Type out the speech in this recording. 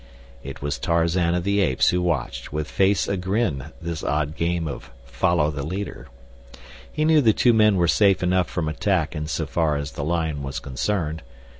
It was Tarzan of the Apes who watched, with face a grin, this odd game of follow the leader. He knew the two men were safe enough from attack in so far as the lion was concerned.